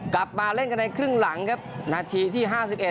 กลับมาเล่นกันในครึ่งหลังครับนาทีที่๕๑